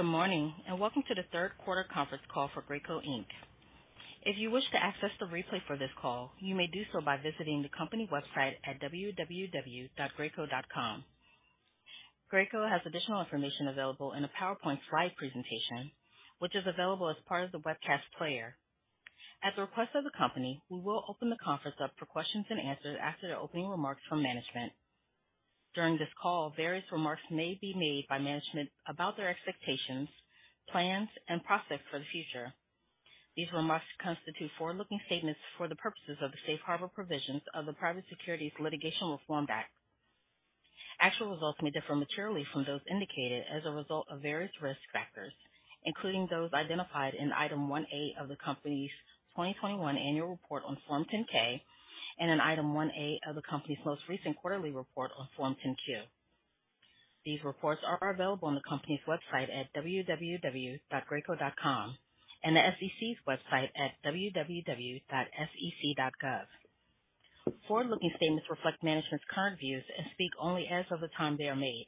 Good morning, and welcome to the Q3 conference call for Graco Inc. If you wish to access the replay for this call, you may do so by visiting the company website at www.graco.com. Graco has additional information available in a PowerPoint slide presentation, which is available as part of the webcast player. At the request of the company, we will open the conference up for questions and answers after the opening remarks from management. During this call, various remarks may be made by management about their expectations, plans, and prospects for the future. These remarks constitute forward-looking statements for the purposes of the safe harbor provisions of the Private Securities Litigation Reform Act. Actual results may differ materially from those indicated as a result of various risk factors, including those identified in Item 1A of the company's 2021 annual report on Form 10-K and in Item 1A of the company's most recent quarterly report on Form 10-Q. These reports are available on the company's website at www.graco.com and the SEC's website at www.sec.gov. Forward-looking statements reflect management's current views and speak only as of the time they are made.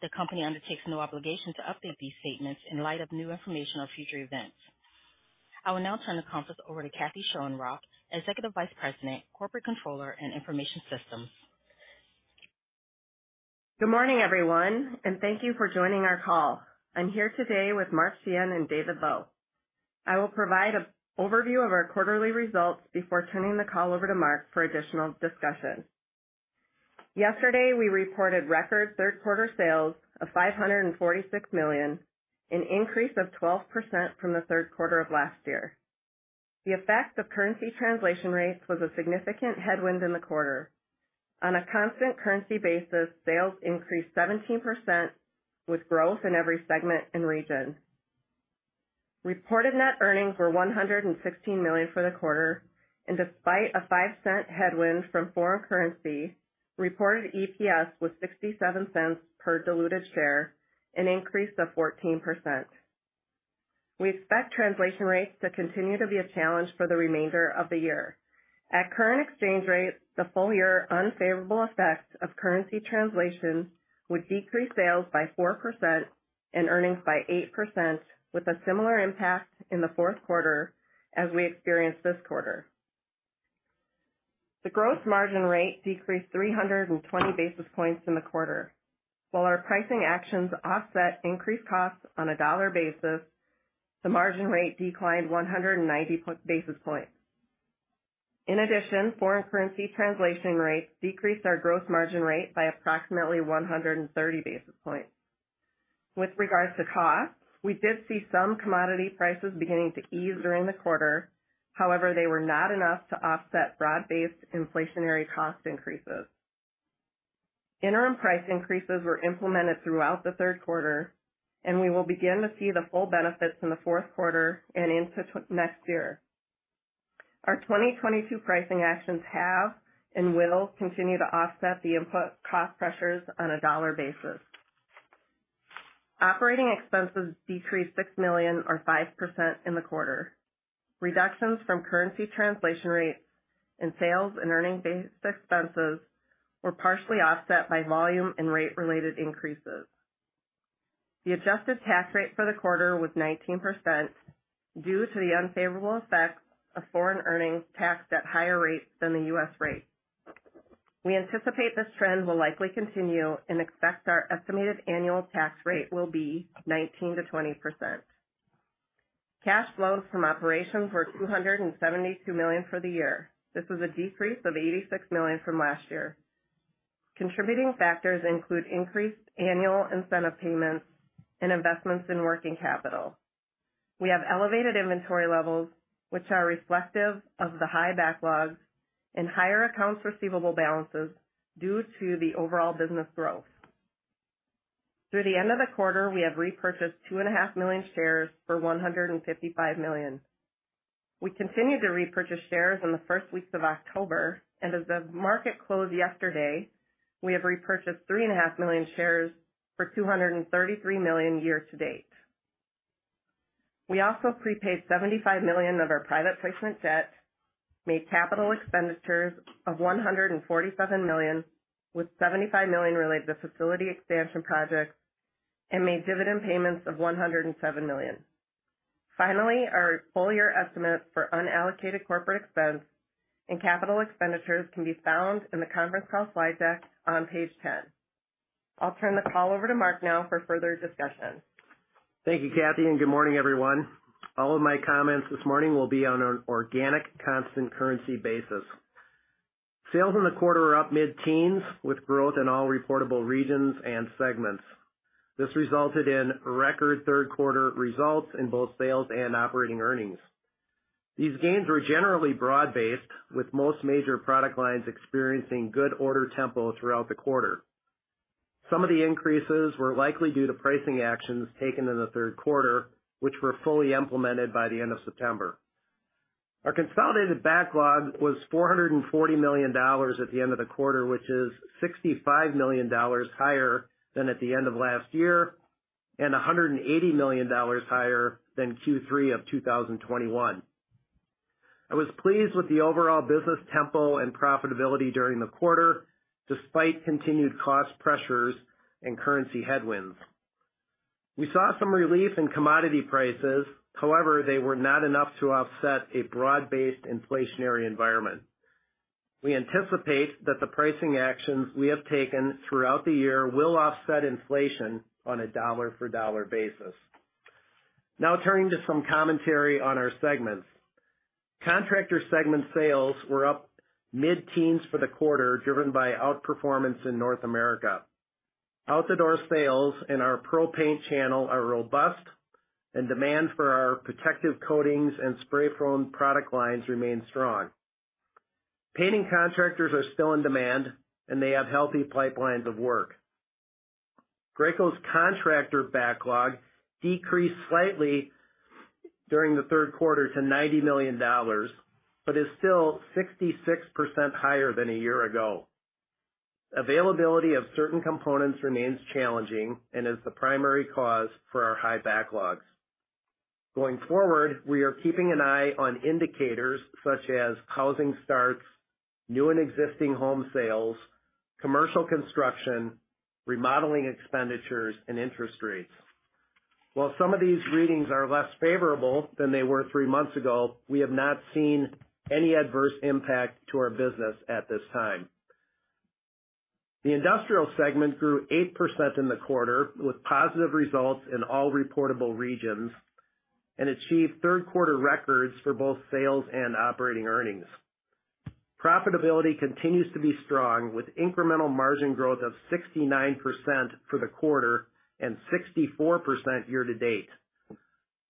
The company undertakes no obligation to update these statements in light of new information or future events. I will now turn the conference over to Kathryn Schoenrock, Executive Vice President, Corporate Controller and Information Systems. Good morning, everyone, and thank you for joining our call. I'm here today with Mark Sheahan and David Lowe. I will provide an overview of our quarterly results before turning the call over to Mark for additional discussion. Yesterday, we reported record Q3 sales of $546 million, an increase of 12% from the Q3 of last year. The effect of currency translation rates was a significant headwind in the quarter. On a constant currency basis, sales increased 17%, with growth in every segment and region. Reported net earnings were $116 million for the quarter, and despite a $0.05 headwind from foreign currency, reported EPS was $0.67 per diluted share, an increase of 14%. We expect translation rates to continue to be a challenge for the remainder of the year. At current exchange rates, the full-year unfavorable effect of currency translation would decrease sales by 4% and earnings by 8%, with a similar impact in the Q4 as we experienced this quarter. The gross margin rate decreased 320 basis points in the quarter. While our pricing actions offset increased costs on a dollar basis, the margin rate declined 190 basis points. In addition, foreign currency translation rates decreased our gross margin rate by approximately 130 basis points. With regards to costs, we did see some commodity prices beginning to ease during the quarter. However, they were not enough to offset broad-based inflationary cost increases. Interim price increases were implemented throughout the Q3, and we will begin to see the full benefits in the Q4 and into next year. Our 2022 pricing actions have and will continue to offset the input cost pressures on a dollar basis. Operating expenses decreased $6 million or 5% in the quarter. Reductions from currency translation rates and sales and earnings-based expenses were partially offset by volume and rate-related increases. The adjusted tax rate for the quarter was 19% due to the unfavorable effects of foreign earnings taxed at higher rates than the U.S. rate. We anticipate this trend will likely continue and expect our estimated annual tax rate will be 19%-20%. Cash flows from operations were $272 million for the year. This was a decrease of $86 million from last year. Contributing factors include increased annual incentive payments and investments in working capital. We have elevated inventory levels, which are reflective of the high backlogs and higher accounts receivable balances due to the overall business growth. Through the end of the quarter, we have repurchased 2.5 million shares for $155 million. We continued to repurchase shares in the first weeks of October, and as of market close yesterday, we have repurchased 3.5 million shares for $233 million year-to-date. We also prepaid $75 million of our private placement debt, made capital expenditures of $147 million, with $75 million related to facility expansion projects, and made dividend payments of $107 million. Finally, our full-year estimates for unallocated corporate expense and capital expenditures can be found in the conference call slide deck on page 10. I'll turn the call over to Mark now for further discussion. Thank you, Cathy, and good morning, everyone. All of my comments this morning will be on an organic constant currency basis. Sales in the quarter are up mid-teens, with growth in all reportable regions and segments. This resulted in record Q3 results in both sales and operating earnings. These gains were generally broad-based, with most major product lines experiencing good order tempo throughout the quarter. Some of the increases were likely due to pricing actions taken in the Q3, which were fully implemented by the end of September. Our consolidated backlog was $440 million at the end of the quarter, which is $65 million higher than at the end of last year and $180 million higher than Q3 of 2021. I was pleased with the overall business tempo and profitability during the quarter, despite continued cost pressures and currency headwinds. We saw some relief in commodity prices, however, they were not enough to offset a broad-based inflationary environment. We anticipate that the pricing actions we have taken throughout the year will offset inflation on a dollar-for-dollar basis. Now turning to some commentary on our segments. Contractor segment sales were up mid-teens for the quarter, driven by outperformance in North America. Outdoor sales in our pro-paint channel are robust and demand for our Protective Coatings and Spray Foam product lines remain strong. Painting contractors are still in demand, and they have healthy pipelines of work. Graco's contractor backlog decreased slightly during the Q3 to $90 million, but is still 66% higher than a year ago. Availability of certain components remains challenging and is the primary cause for our high backlogs. Going forward, we are keeping an eye on indicators such as housing starts, new and existing home sales, commercial construction, remodeling expenditures, and interest rates. While some of these readings are less favorable than they were three months ago, we have not seen any adverse impact to our business at this time. The industrial segment grew 8% in the quarter, with positive results in all reportable regions, and achieved third-quarter records for both sales and operating earnings. Profitability continues to be strong, with incremental margin growth of 69% for the quarter and 64% year-to-date.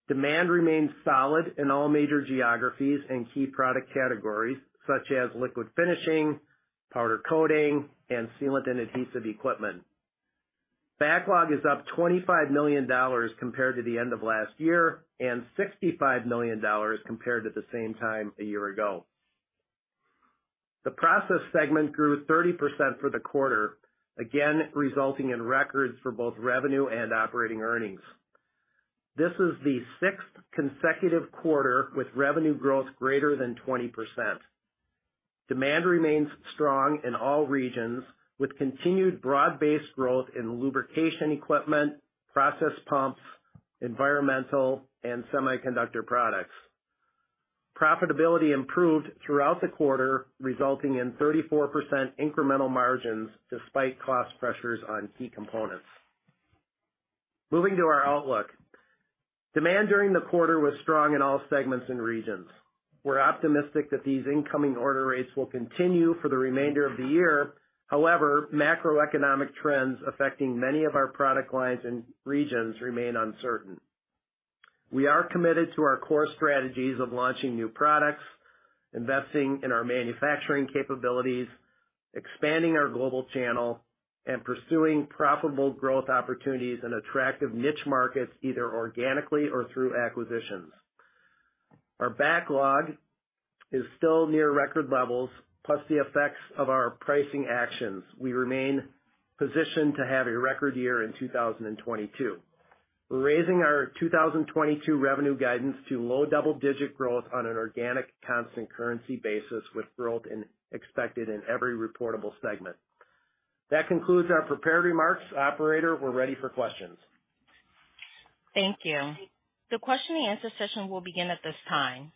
Demand remains solid in all major geographies and key product categories, such as Liquid Finishing, powder coating, and Sealant and Adhesive Equipment. Backlog is up $25 million compared to the end of last year and $65 million compared to the same time a year ago. The Process segment grew 30% for the quarter, again, resulting in records for both revenue and operating earnings. This is the sixth consecutive quarter with revenue growth greater than 20%. Demand remains strong in all regions, with continued broad-based growth in lubrication equipment, Process Pumps, environmental and semiconductor products. Profitability improved throughout the quarter, resulting in 34% incremental margins despite cost pressures on key components. Moving to our outlook. Demand during the quarter was strong in all segments and regions. We're optimistic that these incoming order rates will continue for the remainder of the year. However, macroeconomic trends affecting many of our product lines and regions remain uncertain. We are committed to our core strategies of launching new products, investing in our manufacturing capabilities, expanding our global channel, and pursuing profitable growth opportunities in attractive niche markets, either organically or through acquisitions. Our backlog is still near record levels, plus the effects of our pricing actions. We remain positioned to have a record year in 2022. We're raising our 2022 revenue guidance to low double-digit growth on an organic constant currency basis, with growth expected in every reportable segment. That concludes our prepared remarks. Operator, we're ready for questions. Thank you. The question and answer session will begin at this time.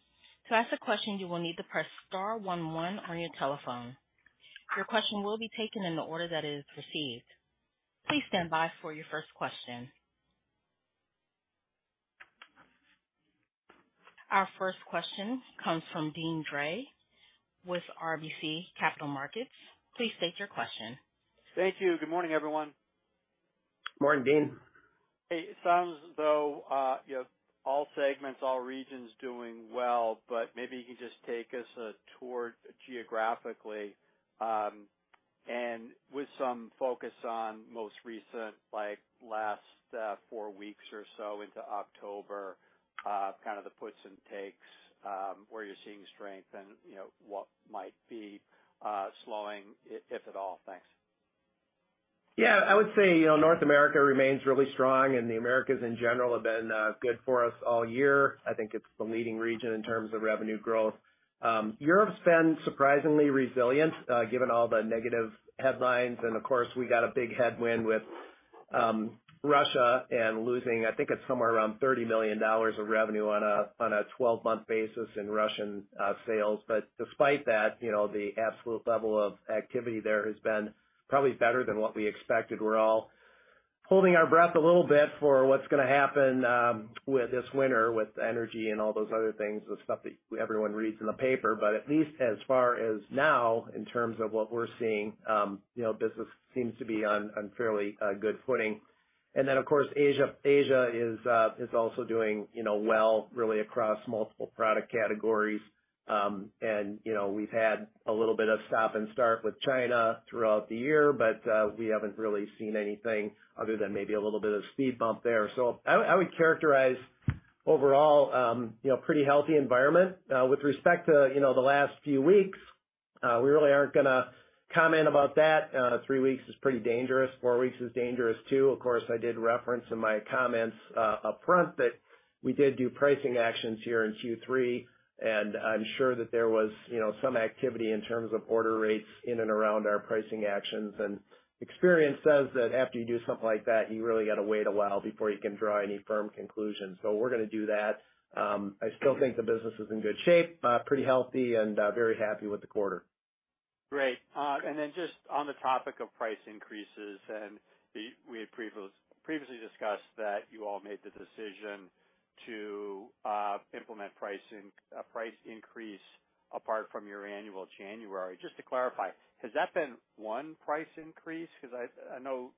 To ask a question, you will need to press star one one on your telephone. Your question will be taken in the order that it is received. Please stand by for your first question. Our first question comes from Deane Dray with RBC Capital Markets. Please state your question. Thank you. Good morning, everyone. Morning, Deane. Hey, it sounds as though you have all segments, all regions doing well, but maybe you can just take us through geographically, and with some focus on most recent, like last four weeks or so into October, kind of the puts and takes, where you're seeing strength and, you know, what might be slowing if at all. Thanks. Yeah, I would say, you know, North America remains really strong, and the Americas in general have been good for us all year. I think it's the leading region in terms of revenue growth. Europe's been surprisingly resilient given all the negative headlines. Of course, we got a big headwind with Russia and losing, I think it's somewhere around $30 million of revenue on a 12-month basis in Russian sales. But despite that, you know, the absolute level of activity there has been probably better than what we expected. We're all holding our breath a little bit for what's gonna happen with this winter, with energy and all those other things, the stuff that everyone reads in the paper. At least as far as now, in terms of what we're seeing, you know, business seems to be on fairly good footing. Then, of course, Asia. Asia is also doing, you know, well, really across multiple product categories. You know, we've had a little bit of stop and start with China throughout the year, but we haven't really seen anything other than maybe a little bit of speed bump there. I would characterize overall, you know, pretty healthy environment. With respect to, you know, the last few weeks. We really aren't gonna comment about that. Three weeks is pretty dangerous. Four weeks is dangerous, too. Of course, I did reference in my comments upfront that we did do pricing actions here in Q3, and I'm sure that there was, you know, some activity in terms of order rates in and around our pricing actions. Experience says that after you do something like that, you really got to wait a while before you can draw any firm conclusions. We're gonna do that. I still think the business is in good shape, pretty healthy and very happy with the quarter. Great. Just on the topic of price increases, we had previously discussed that you all made the decision to implement a price increase apart from your annual January. Just to clarify, has that been one price increase? 'Cause I know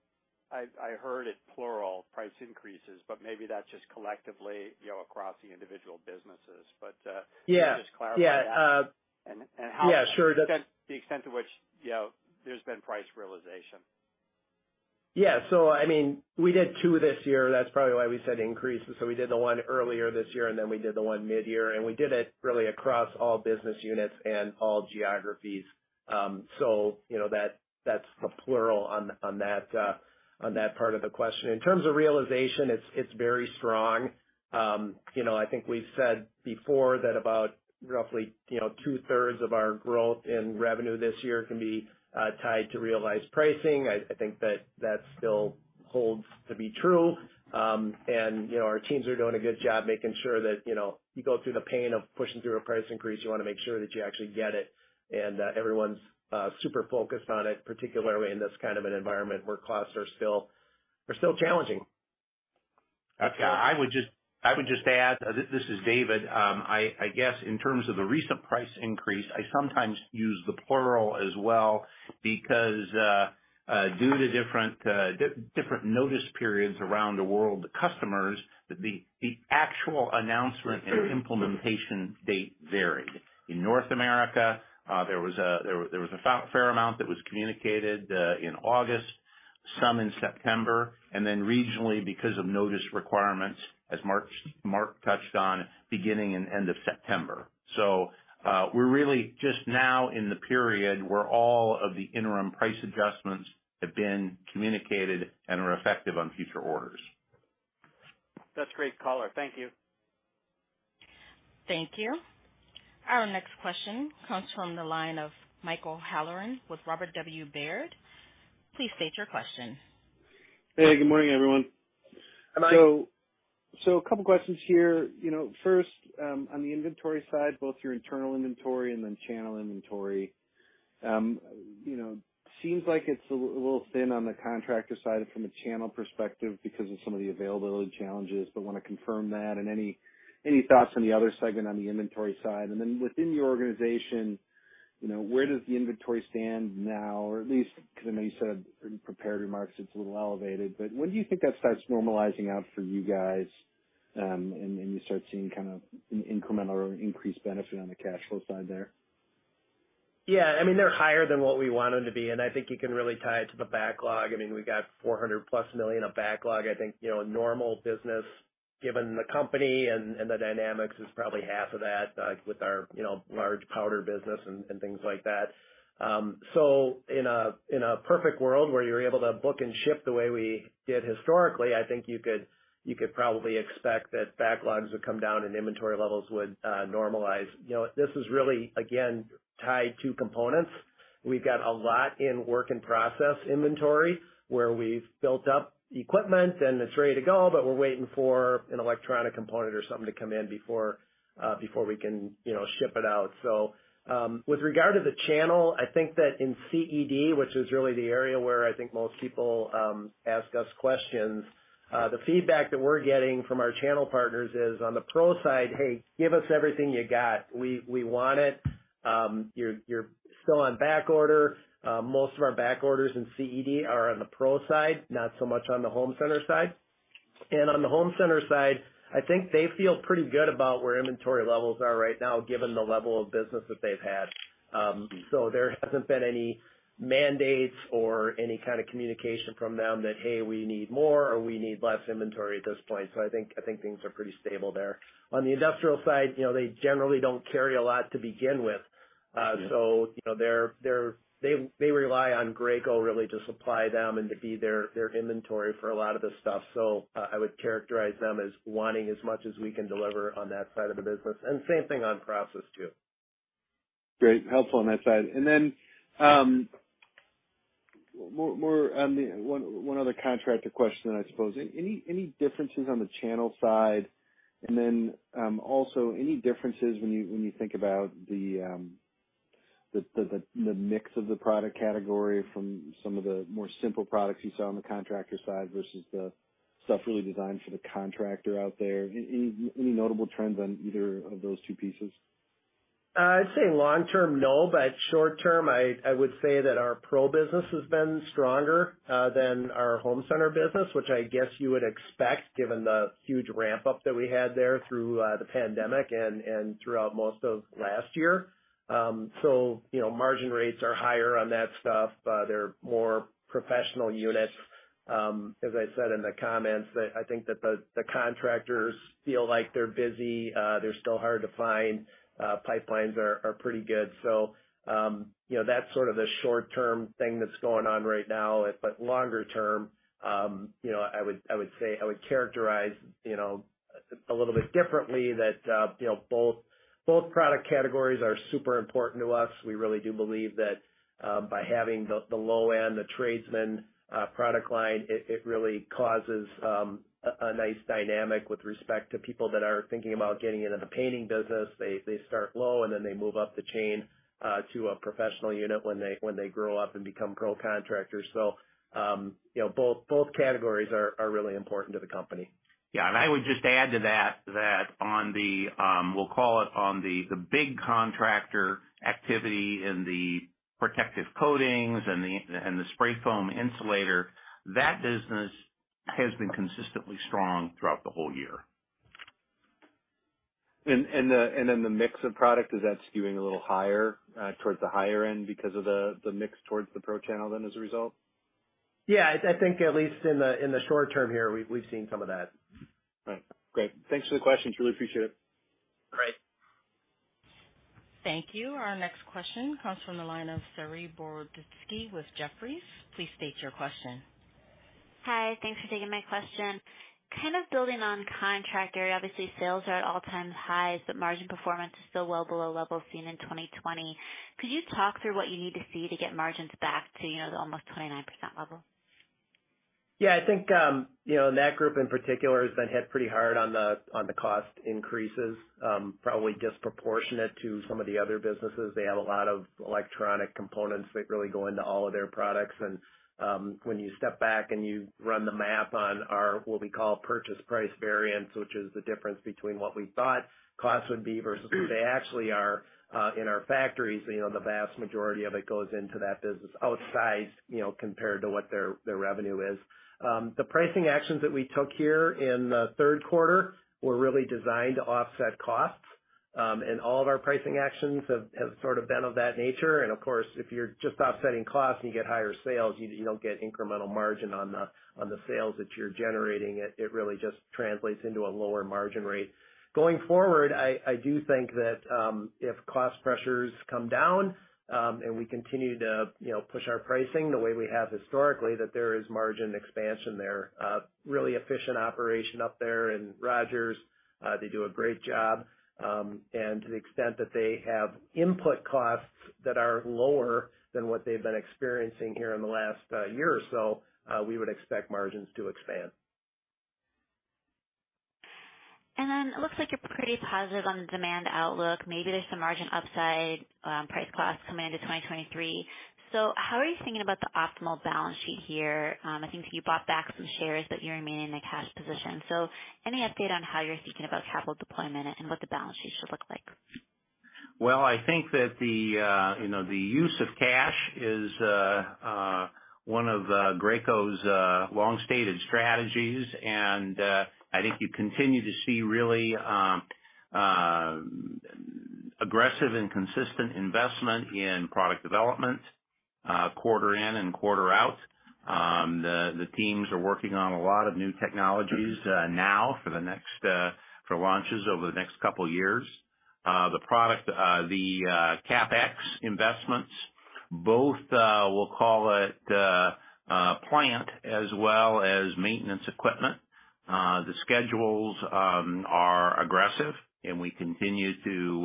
I heard it plural, price increases, but maybe that's just collectively, you know, across the individual businesses. Yeah. Can you just clarify that? Yeah. And how- Yeah, sure. The extent to which, you know, there's been price realization. Yeah. I mean, we did two this year. That's probably why we said increases. We did the one earlier this year, and then we did the one midyear, and we did it really across all business units and all geographies. You know that's the plural on that part of the question. In terms of realization, it's very strong. You know, I think we've said before that about roughly, you know, 2/3 of our growth in revenue this year can be tied to realized pricing. I think that still holds to be true. You know, our teams are doing a good job making sure that, you know, you go through the pain of pushing through a price increase, you wanna make sure that you actually get it. Everyone's super focused on it, particularly in this kind of an environment where costs are still challenging. Okay. I would just add, this is David. I guess in terms of the recent price increase, I sometimes use the plural as well because due to different notice periods around the world, the actual announcement and implementation date varied. In North America, there was a fair amount that was communicated in August, some in September, and then regionally because of notice requirements, as Mark touched on, beginning and end of September. We're really just now in the period where all of the interim price adjustments have been communicated and are effective on future orders. That's great color. Thank you. Thank you. Our next question comes from the line of Michael Halloran with Robert W. Baird. Please state your question. Hey, good morning, everyone. Hi, Mike. A couple questions here. You know, first, on the inventory side, both your internal inventory and then channel inventory. You know, seems like it's a little thin on the contractor side from a channel perspective because of some of the availability challenges, so wanna confirm that. Any thoughts on the other segment on the inventory side? Then within your organization, you know, where does the inventory stand now? Or at least, 'cause I know you said in prepared remarks it's a little elevated, but when do you think that starts normalizing out for you guys, and then you start seeing kind of an incremental or increased benefit on the cash flow side there? Yeah, I mean, they're higher than what we want 'em to be, and I think you can really tie it to the backlog. I mean, we've got $400+ million of backlog. I think, you know, a normal business, given the company and the dynamics, is probably half of that with our, you know, large powder business and things like that. In a perfect world where you're able to book and ship the way we did historically, I think you could probably expect that backlogs would come down and inventory levels would normalize. You know, this is really, again, tied to components. We've got a lot in work and process inventory, where we've built up equipment and it's ready to go, but we're waiting for an electronic component or something to come in before we can, you know, ship it out. With regard to the channel, I think that in CED, which is really the area where I think most people ask us questions, the feedback that we're getting from our channel partners is on the pro side, "Hey, give us everything you got. We want it." You're still on backorder. Most of our backorders in CED are on the pro side, not so much on the home center side. On the home center side, I think they feel pretty good about where inventory levels are right now given the level of business that they've had. There hasn't been any mandates or any kind of communication from them that, "Hey, we need more," or, "We need less inventory at this point." I think things are pretty stable there. On the industrial side, you know, they generally don't carry a lot to begin with. Okay. You know, they're- they rely on Graco really to supply them and to be their inventory for a lot of this stuff. I would characterize them as wanting as much as we can deliver on that side of the business, and same thing on Process too. Great. Helpful on that side. More on the one other contractor question, I suppose. Any differences on the channel side? Also any differences when you think about the mix of the product category from some of the more simple products you sell on the contractor side versus the stuff really designed for the contractor out there? Any notable trends on either of those two pieces? I'd say long term, no, but short term, I would say that our pro business has been stronger than our home center business, which I guess you would expect given the huge ramp-up that we had there through the pandemic and throughout most of last year. You know, margin rates are higher on that stuff. They're more professional units. As I said in the comments that I think that the contractors feel like they're busy, they're still hard to find, pipelines are pretty good. You know, that's sort of the short term thing that's going on right now. Longer term, you know, I would say I would characterize, you know, a little bit differently that, you know, both product categories are super important to us. We really do believe that by having the low end, the TrueCoat product line, it really causes a nice dynamic with respect to people that are thinking about getting into the painting business. They start low and then they move up the chain to a professional unit when they grow up and become pro contractors. You know, both categories are really important to the company. Yeah. I would just add to that, on the big contractor activity in the Protective Coatings and the Spray Foam insulation, that business has been consistently strong throughout the whole year. The mix of product, is that skewing a little higher towards the higher end because of the mix towards the pro channel as a result? Yeah, I think at least in the short term here, we've seen some of that. Right. Great. Thanks for the questions. Really appreciate it. Great. Thank you. Our next question comes from the line of Saree Boroditsky with Jefferies. Please state your question. Hi. Thanks for taking my question. Kind of building on Contractor segment, obviously, sales are at all-time highs, but margin performance is still well below levels seen in 2020. Could you talk through what you need to see to get margins back to, you know, the almost 29% level? Yeah, I think, you know, and that group in particular has been hit pretty hard on the cost increases, probably disproportionate to some of the other businesses. They have a lot of electronic components that really go into all of their products. When you step back and you run the math on our, what we call purchase price variance, which is the difference between what we thought costs would be versus what they actually are, in our factories, you know, the vast majority of it goes into that business. That's outsized, you know, compared to what their revenue is. The pricing actions that we took here in the Q3 were really designed to offset costs. All of our pricing actions have sort of been of that nature. Of course, if you're just offsetting costs and you get higher sales, you don't get incremental margin on the sales that you're generating. It really just translates into a lower margin rate. Going forward, I do think that if cost pressures come down and we continue to you know push our pricing the way we have historically, that there is margin expansion there. Really efficient operation up there in Rogers. They do a great job. To the extent that they have input costs that are lower than what they've been experiencing here in the last year or so, we would expect margins to expand. It looks like you're pretty positive on the demand outlook. Maybe there's some margin upside, price costs coming into 2023. How are you thinking about the optimal balance sheet here? I think you bought back some shares, but you remain in a cash position. Any update on how you're thinking about capital deployment and what the balance sheet should look like? Well, I think that, you know, the use of cash is one of Graco's long stated strategies. I think you continue to see really aggressive and consistent investment in product development quarter in and quarter out. The teams are working on a lot of new technologies now for launches over the next couple years. The product CapEx investments both, we'll call it, plant as well as maintenance equipment. The schedules are aggressive, and we continue to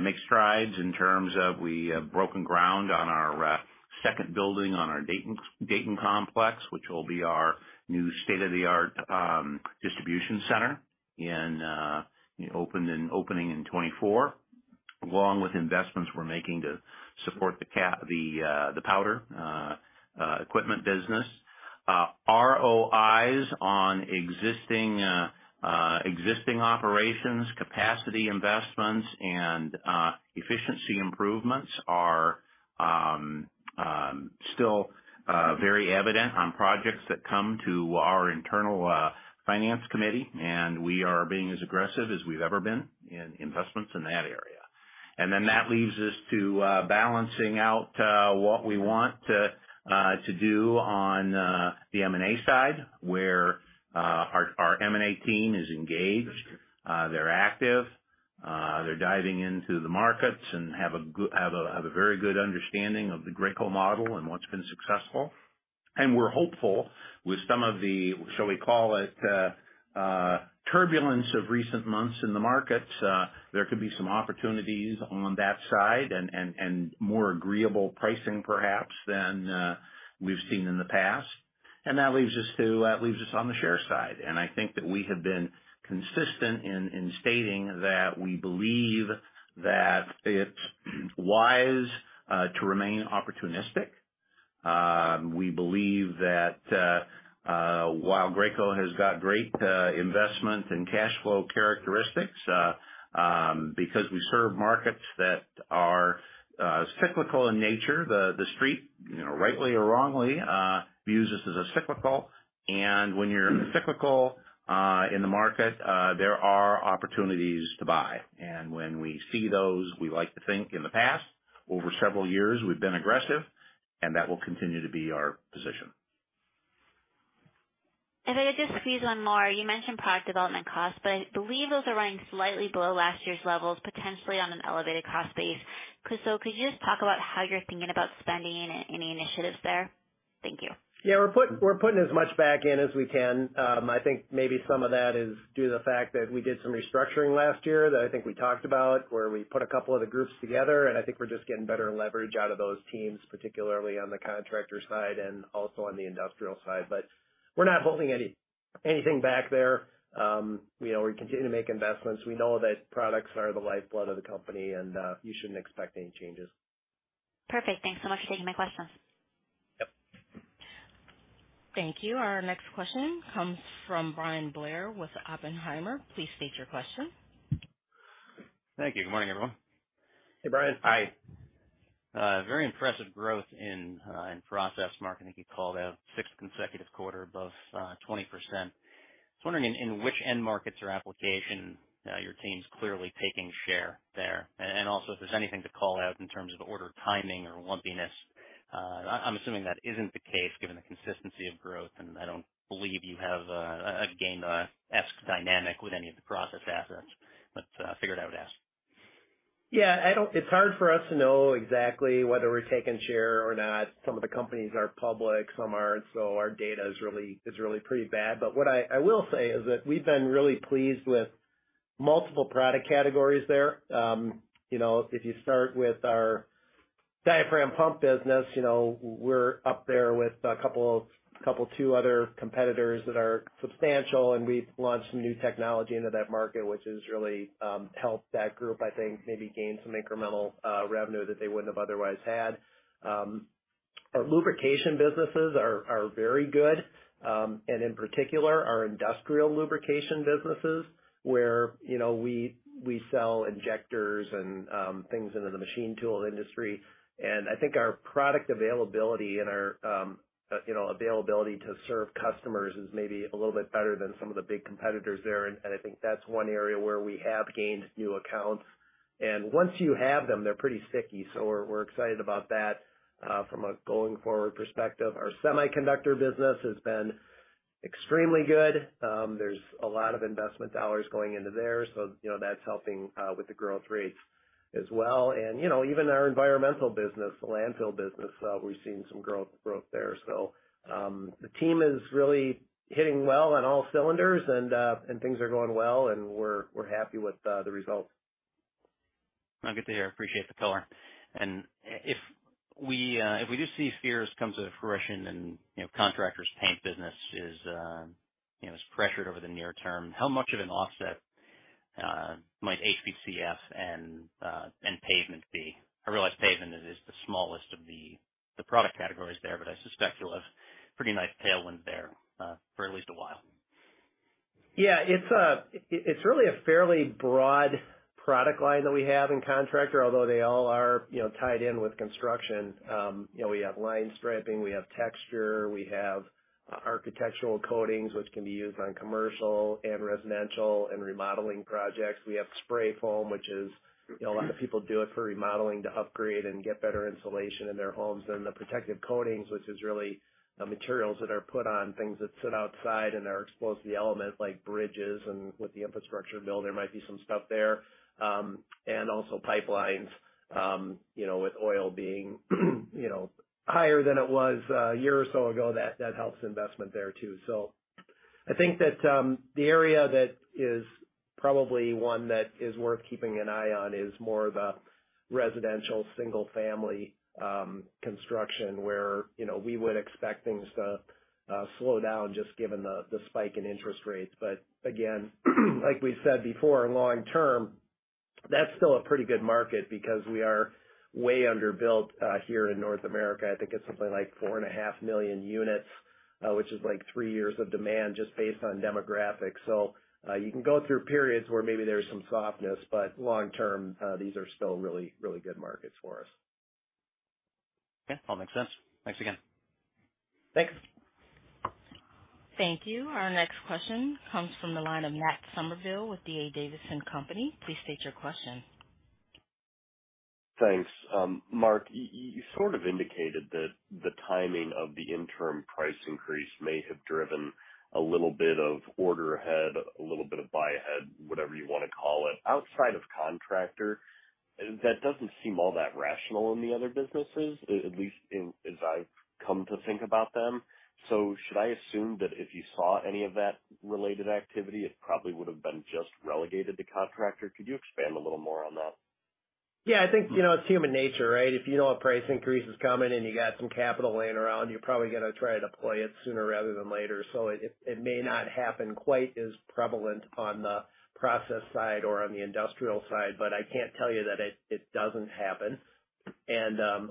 make strides in terms of we have broken ground on our second building on our Dayton complex, which will be our new state-of-the-art distribution center opening in 2024, along with investments we're making to support the powder equipment business. ROIs on existing operations, capacity investments and efficiency improvements are still very evident on projects that come to our internal finance committee, and we are being as aggressive as we've ever been in investments in that area. That leaves us to balancing out what we want to do on the M&A side, where our M&A team is engaged, they're active, they're diving into the markets and have a very good understanding of the Graco model and what's been successful. We're hopeful with some of the, shall we call it, turbulence of recent months in the markets, there could be some opportunities on that side and more agreeable pricing perhaps than we've seen in the past. That leaves us on the share side. I think that we have been consistent in stating that we believe that it's wise to remain opportunistic. We believe that while Graco has got great investment and cash flow characteristics, because we serve markets that are cyclical in nature, the Street, you know, rightly or wrongly, views us as a cyclical. When you're cyclical in the market, there are opportunities to buy. When we see those, we like to think in the past. Over several years, we've been aggressive, and that will continue to be our position. If I could just squeeze one more. You mentioned product development costs, but I believe those are running slightly below last year's levels, potentially on an elevated cost base. Could you just talk about how you're thinking about spending, any initiatives there? Thank you. Yeah, we're putting as much back in as we can. I think maybe some of that is due to the fact that we did some restructuring last year that I think we talked about, where we put a couple of the groups together, and I think we're just getting better leverage out of those teams, particularly on the Contractor side and also on the Industrial side. We're not holding anything back there. You know, we continue to make investments. We know that products are the lifeblood of the company, and you shouldn't expect any changes. Perfect. Thanks so much for taking my questions. Yeah. Thank you. Our next question comes from Bryan Blair with Oppenheimer. Please state your question. Thank you. Good morning, everyone. Hey, Bryan. Hi. Very impressive growth in Process, Mark. I think you called out sixth consecutive quarter above 20%. I was wondering which end markets or application your team's clearly taking share there. Also if there's anything to call out in terms of order timing or lumpiness. I'm assuming that isn't the case given the consistency of growth, and I don't believe you have a games dynamic with any of the Process assets. Figured I would ask. Yeah, I don't. It's hard for us to know exactly whether we're taking share or not. Some of the companies are public, some aren't. Our data is really pretty bad. What I will say is that we've been really pleased with multiple product categories there. You know, if you start with our diaphragm pump business, you know, we're up there with two other competitors that are substantial, and we've launched some new technology into that market, which has really helped that group, I think, maybe gain some incremental revenue that they wouldn't have otherwise had. Our lubrication businesses are very good, and in particular, our industrial lubrication businesses, where you know we sell injectors and things into the machine tool industry. I think our product availability and our, you know, availability to serve customers is maybe a little bit better than some of the big competitors there. I think that's one area where we have gained new accounts. Once you have them, they're pretty sticky, so we're excited about that from a going forward perspective. Our semiconductor business has been extremely good. There's a lot of investment dollars going into there, so you know, that's helping with the growth rates as well. You know, even our environmental business, the landfill business, we've seen some growth there. The team is really hitting well on all cylinders and things are going well, and we're happy with the results. Good to hear. Appreciate the color. If we do see fears come to fruition and, you know, contractors paint business is, you know, is pressured over the near term, how much of an offset might HPCF and pavement be? I realize pavement is the smallest of the product categories there, but I suspect you'll have pretty nice tailwind there for at least a while. Yeah, it's really a fairly broad product line that we have in contractor, although they all are, you know, tied in with construction. You know, we have line striping, we have texture, we have architectural coatings, which can be used on commercial and residential and remodeling projects. We have spray foam, which is, you know, a lot of people do it for remodeling to upgrade and get better insulation in their homes. The protective coatings, which is really the materials that are put on things that sit outside and are exposed to the elements like bridges and with the infrastructure bill, there might be some stuff there. And also pipelines, you know, with oil being, you know, higher than it was a year or so ago, that helps investment there too. I think that the area that is probably one that is worth keeping an eye on is more the residential single family construction, where, you know, we would expect things to slow down just given the spike in interest rates. But again, like we said before, long term, that's still a pretty good market because we are way under built here in North America. I think it's something like 4.5 million units, which is like three years of demand just based on demographics. You can go through periods where maybe there's some softness, but long term, these are still really, really good markets for us. Okay, all makes sense. Thanks again. Thanks. Thank you. Our next question comes from the line of Matt Summerville with D.A. Davidson & Co. Please state your question. Thanks. Mark, you sort of indicated that the timing of the interim price increase may have driven a little bit of order ahead, a little bit of buy ahead, whatever you wanna call it. Outside of Contractor, that doesn't seem all that rational in the other businesses, at least as I've come to think about them. Should I assume that if you saw any of that related activity, it probably would have been just relegated to Contractor? Could you expand a little more on that? Yeah. I think, you know, it's human nature, right? If you know a price increase is coming and you got some capital laying around, you're probably gonna try to deploy it sooner rather than later. It may not happen quite as prevalent on the process side or on the industrial side, but I can't tell you that it doesn't happen.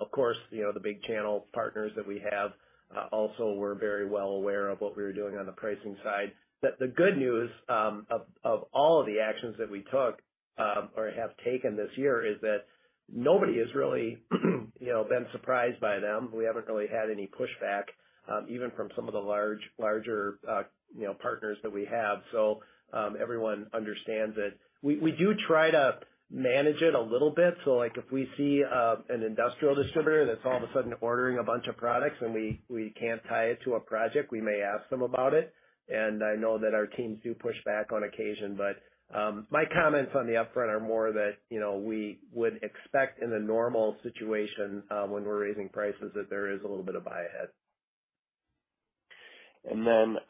Of course, you know, the big channel partners that we have also were very well aware of what we were doing on the pricing side. The good news of all of the actions that we took or have taken this year is that nobody has really, you know, been surprised by them. We haven't really had any pushback, even from some of the larger, you know, partners that we have. Everyone understands it. We do try to manage it a little bit. Like if we see an industrial distributor that's all of a sudden ordering a bunch of products and we can't tie it to a project, we may ask them about it. I know that our teams do push back on occasion, but my comments on the upfront are more that, you know, we would expect in the normal situation, when we're raising prices, that there is a little bit of buy ahead.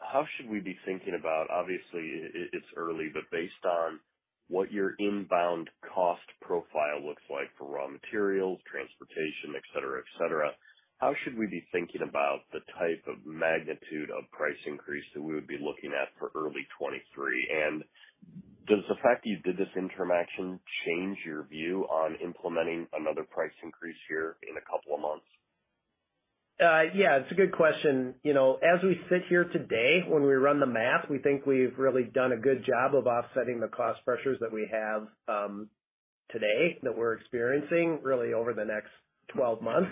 How should we be thinking about? Obviously, it's early, but based on what your inbound cost profile looks like for raw materials, transportation, et cetera, et cetera, how should we be thinking about the type of magnitude of price increase that we would be looking at for early 2023? Does the fact that you did this interim action change your view on implementing another price increase here in a couple of months? Yeah, it's a good question. You know, as we sit here today, when we run the math, we think we've really done a good job of offsetting the cost pressures that we have today that we're experiencing really over the next 12 months.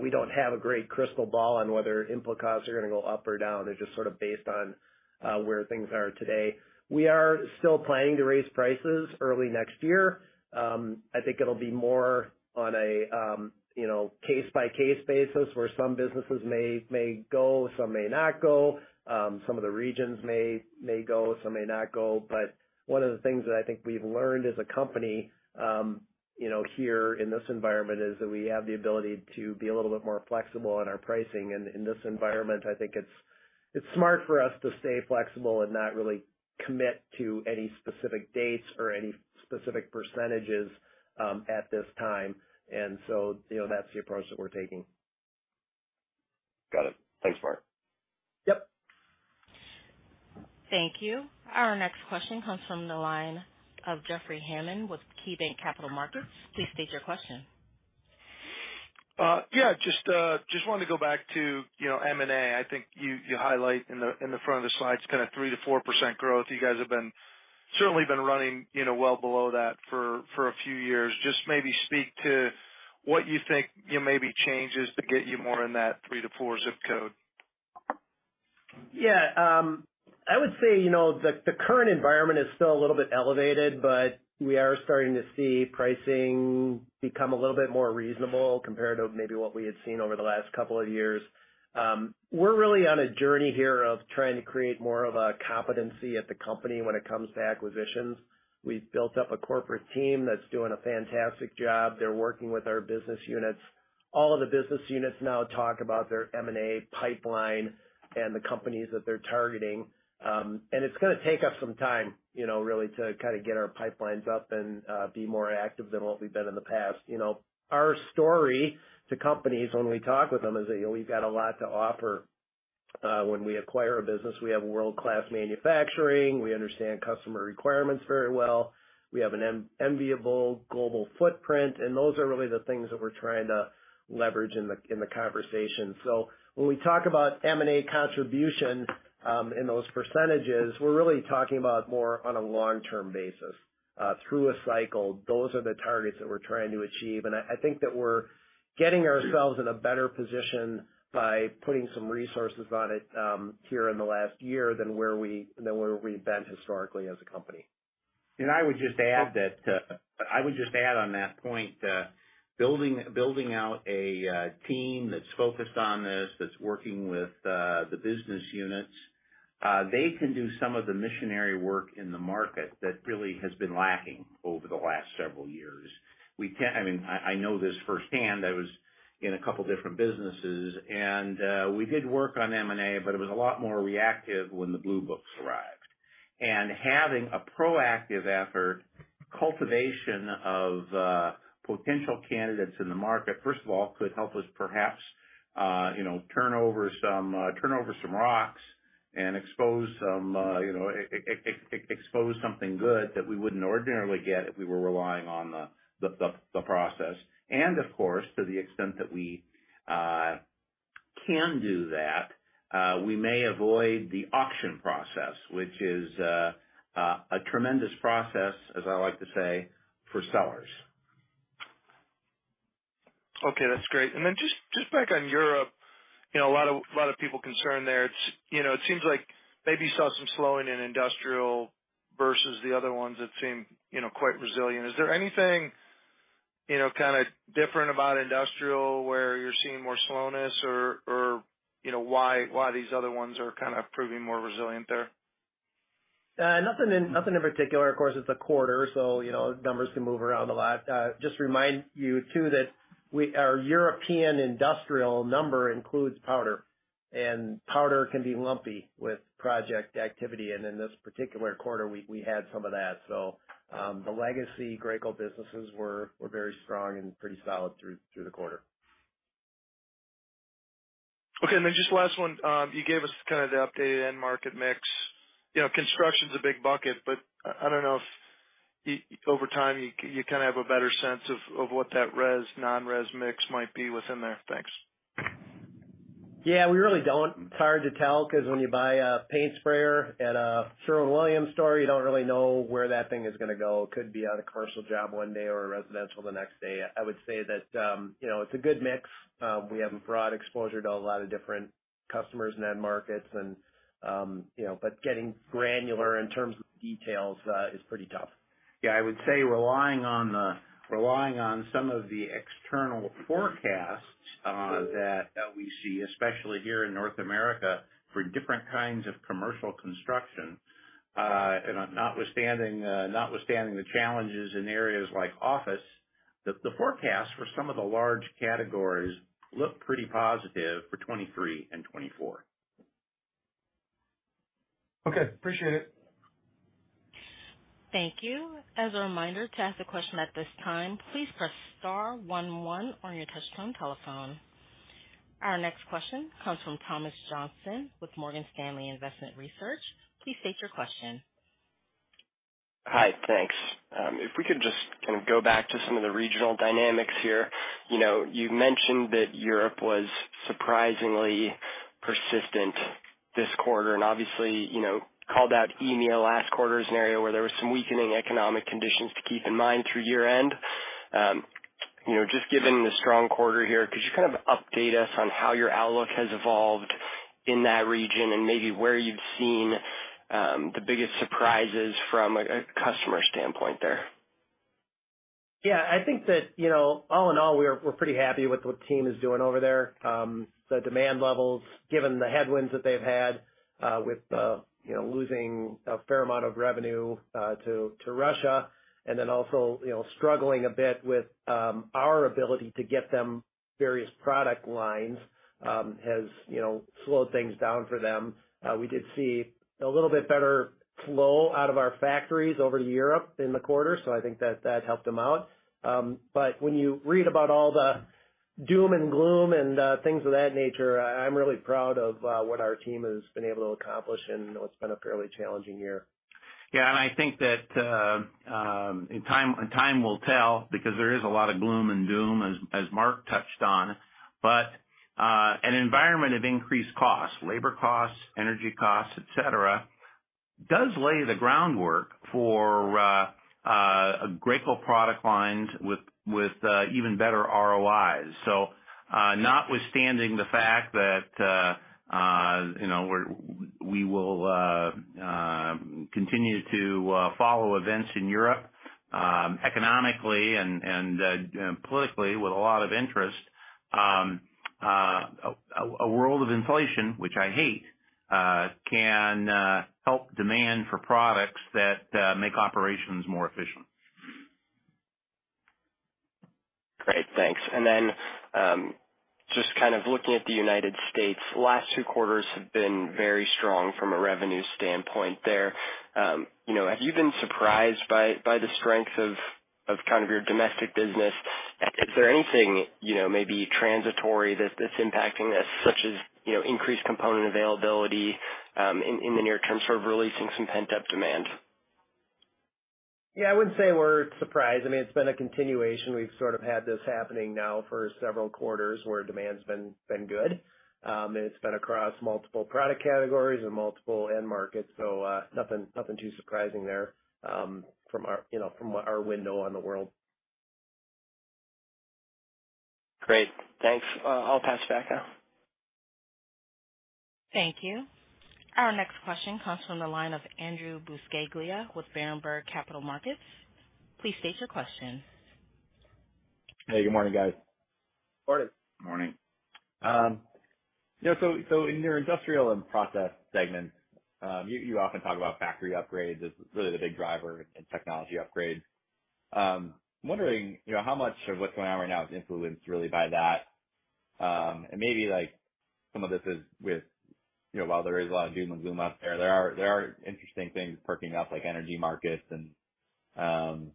We don't have a great crystal ball on whether input costs are gonna go up or down. They're just sort of based on where things are today. We are still planning to raise prices early next year. I think it'll be more on a you know, case-by-case basis, where some businesses may go, some may not go, some of the regions may go, some may not go. One of the things that I think we've learned as a company, you know, here in this environment is that we have the ability to be a little bit more flexible in our pricing. In this environment, I think it's smart for us to stay flexible and not really commit to any specific dates or any specific percentages, at this time. You know, that's the approach that we're taking. Got it. Thanks, Mark. Yeah. Thank you. Our next question comes from the line of Jeff Hammond with KeyBanc Capital Markets. Please state your question. Yeah, just wanted to go back to, you know, M&A. I think you highlight in the front of the slides kind of 3%-4% growth. You guys have certainly been running, you know, well below that for a few years. Just maybe speak to what you think, you know, maybe changes to get you more in that 3%-4% zip code. Yeah, I would say, you know, the current environment is still a little bit elevated, but we are starting to see pricing become a little bit more reasonable compared to maybe what we had seen over the last couple of years. We're really on a journey here of trying to create more of a competency at the company when it comes to acquisitions. We've built up a corporate team that's doing a fantastic job. They're working with our business units. All of the business units now talk about their M&A pipeline and the companies that they're targeting. It's gonna take us some time, you know, really to kind of get our pipelines up and be more active than what we've been in the past. You know, our story to companies when we talk with them is that, you know, we've got a lot to offer when we acquire a business. We have world-class manufacturing. We understand customer requirements very well. We have an enviable global footprint, and those are really the things that we're trying to leverage in the conversation. When we talk about M&A contribution in those percentages, we're really talking about more on a long-term basis. Through a cycle, those are the targets that we're trying to achieve. I think that we're getting ourselves in a better position by putting some resources on it here in the last year than where we've been historically as a company. I would just add on that point, building out a team that's focused on this, that's working with the business units, they can do some of the missionary work in the market that really has been lacking over the last several years. I mean, I know this firsthand. I was in a couple different businesses, and we did work on M&A, but it was a lot more reactive when the blue books arrived. Having a proactive effort, cultivation of potential candidates in the market, first of all, could help us perhaps, you know, turn over some rocks and expose some, you know, expose something good that we wouldn't ordinarily get if we were relying on the process. Of course, to the extent that we can do that, we may avoid the auction process, which is a tremendous process, as I like to say, for sellers. Okay, that's great. Then just back on Europe. You know, a lot of people concerned there. It's, you know, it seems like maybe you saw some slowing in industrial versus the other ones that seem, you know, quite resilient. Is there anything, you know, kind of different about industrial, where you're seeing more slowness or, you know, why these other ones are kind of proving more resilient there? Nothing in particular. Of course, it's a quarter, so, you know, numbers can move around a lot. Just remind you too that our European industrial number includes powder, and powder can be lumpy with project activity. In this particular quarter, we had some of that. The legacy Graco businesses were very strong and pretty solid through the quarter. Okay. Just last one. You gave us kind of the updated end market mix. You know, construction's a big bucket, but I don't know if over time, you kind of have a better sense of what that RES/non-RES mix might be within there. Thanks. Yeah, we really don't. It's hard to tell 'cause when you buy a paint sprayer at a Sherwin-Williams store, you don't really know where that thing is gonna go. It could be on a commercial job one day or a residential the next day. I would say that, you know, it's a good mix. We have a broad exposure to a lot of different customers and end markets and, you know. But getting granular in terms of details is pretty tough. Yeah, I would say relying on some of the external forecasts that we see, especially here in North America, for different kinds of commercial construction, and notwithstanding the challenges in areas like office, the forecast for some of the large categories look pretty positive for 2023 and 2024. Okay. Appreciate it. Thank you. As a reminder, to ask a question at this time, please press star one one on your touchtone telephone. Our next question comes from Thomas Johnson with Morgan Stanley Investment Research. Please state your question. Hi. Thanks. If we could just kind of go back to some of the regional dynamics here. You know, you mentioned that Europe was surprisingly persistent this quarter, and obviously, you know, called out EMEA last quarter as an area where there was some weakening economic conditions to keep in mind through year-end. You know, just given the strong quarter here, could you kind of update us on how your outlook has evolved in that region and maybe where you've seen the biggest surprises from a customer standpoint there? Yeah, I think that, you know, all in all, we're pretty happy with what the team is doing over there. The demand levels, given the headwinds that they've had, with, you know, losing a fair amount of revenue to Russia and then also, you know, struggling a bit with our ability to get them various product lines, has, you know, slowed things down for them. We did see a little bit better flow out of our factories over to Europe in the quarter, so I think that that helped them out. When you read about all the doom and gloom and things of that nature, I'm really proud of what our team has been able to accomplish, and, you know, it's been a fairly challenging year. Yeah, I think that time will tell because there is a lot of gloom and doom as Mark touched on. An environment of increased costs, labor costs, energy costs, et cetera, does lay the groundwork for Graco product lines with even better ROIs. Notwithstanding the fact that you know, we will continue to follow events in Europe economically and politically with a lot of interest. A world of inflation, which I hate, can help demand for products that make operations more efficient. Great. Thanks. Just kind of looking at the United States, the last two quarters have been very strong from a revenue standpoint there. You know, have you been surprised by the strength of kind of your domestic business? Is there anything, you know, maybe transitory that's impacting this, such as, you know, increased component availability in the near term sort of releasing some pent-up demand? Yeah, I wouldn't say we're surprised. I mean, it's been a continuation. We've sort of had this happening now for several quarters where demand's been good. It's been across multiple product categories and multiple end markets. Nothing too surprising there, from our, you know, from our window on the world. Great. Thanks. I'll pass it back now. Thank you. Our next question comes from the line of Andrew Buscaglia with Berenberg Capital Markets. Please state your question. Hey, good morning, guys. Morning. Morning. You know, in your Industrial and Process segment, you often talk about factory upgrades as really the big driver in technology upgrades. I'm wondering, you know, how much of what's going on right now is influenced really by that. And maybe some of this is, you know, while there is a lot of doom and gloom out there are interesting things perking up, like energy markets and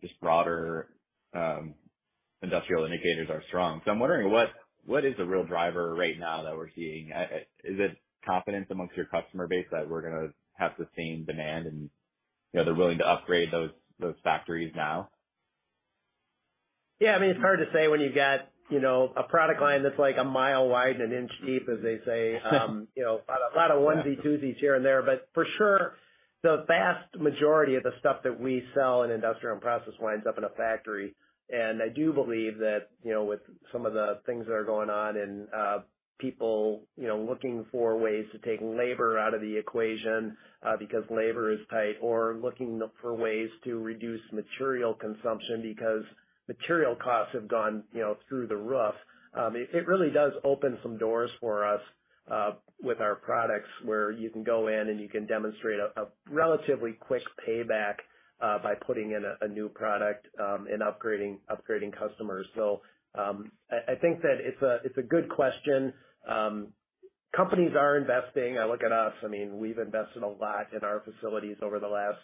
just broader industrial indicators are strong. I'm wondering what is the real driver right now that we're seeing. Is it confidence among your customer base that we're gonna have the same demand and, you know, they're willing to upgrade those factories now? Yeah, I mean, it's hard to say when you've got, you know, a product line that's like a mile wide and an inch deep, as they say. You know, a lot of onesie twosies here and there. For sure, the vast majority of the stuff that we sell in industrial and process winds up in a factory. I do believe that, you know, with some of the things that are going on and, people, you know, looking for ways to take labor out of the equation, because labor is tight or looking for ways to reduce material consumption because material costs have gone, you know, through the roof. It really does open some doors for us with our products, where you can go in and you can demonstrate a relatively quick payback by putting in a new product in upgrading customers. I think that it's a good question. Companies are investing. Look at us. I mean, we've invested a lot in our facilities over the last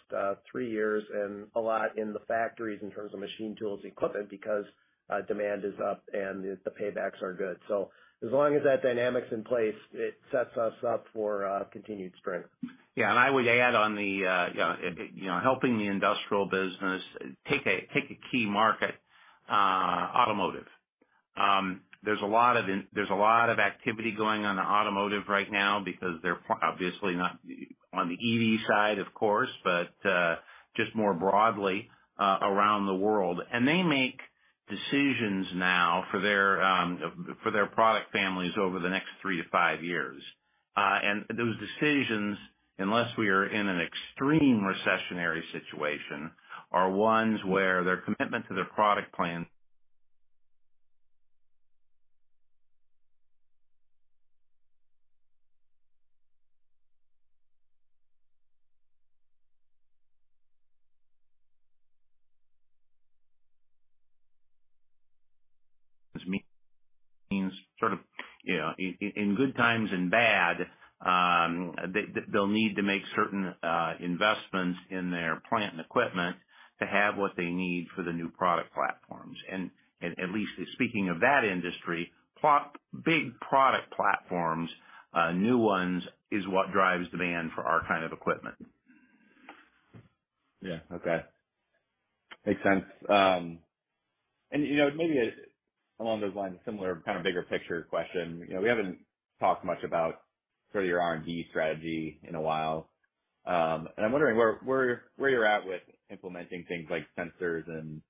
three years and a lot in the factories in terms of machine tools equipment because demand is up and the paybacks are good. As long as that dynamic's in place, it sets us up for continued strength. Yeah. I would add on the helping the industrial business take a key market, automotive. There's a lot of activity going on in automotive right now because they're obviously not on the EV side, of course, but just more broadly around the world. They make decisions now for their product families over the next 3 years-5 years. Those decisions, unless we are in an extreme recessionary situation, are ones where their commitment to their product plan. This means sort of in good times and bad, they'll need to make certain investments in their plant and equipment to have what they need for the new product platforms. At least speaking of that industry, a lot of big product platforms, new ones is what drives demand for our kind of equipment. Yeah. Okay. Makes sense. You know, maybe along those lines, similar kind of bigger picture question. You know, we haven't talked much about sort of your R&D strategy in a while. I'm wondering where you're at with implementing things like sensors and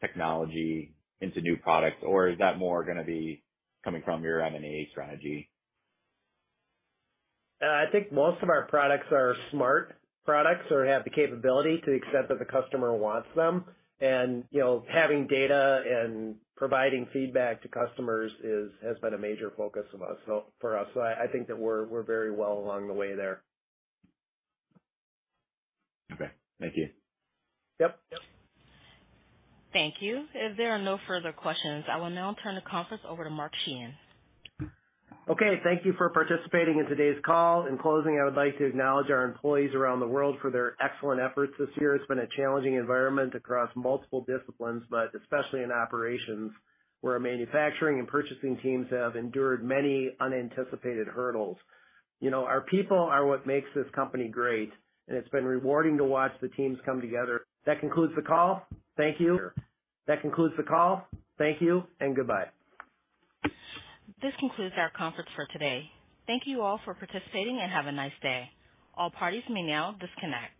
technology into new products, or is that more gonna be coming from your M&A strategy? I think most of our products are smart products or have the capability to the extent that the customer wants them. You know, having data and providing feedback to customers has been a major focus for us. I think that we're very well along the way there. Okay, thank you. Yeah. Thank you. If there are no further questions, I will now turn the conference over to Mark Sheahan. Okay. Thank you for participating in today's call. In closing, I would like to acknowledge our employees around the world for their excellent efforts this year. It's been a challenging environment across multiple disciplines, but especially in operations, where our manufacturing and purchasing teams have endured many unanticipated hurdles. You know, our people are what makes this company great, and it's been rewarding to watch the teams come together. That concludes the call. Thank you and goodbye. This concludes our conference for today. Thank you all for participating and have a nice day. All parties may now disconnect.